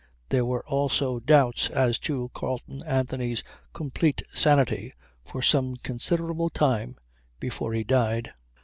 There were also doubts as to Carleon Anthony's complete sanity for some considerable time before he died.